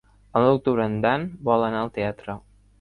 El nou d'octubre en Dan vol anar al teatre.